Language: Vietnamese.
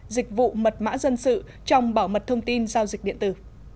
dịch vụ mật mã dân sự trong bảo mật thông tin giao dịch điện tử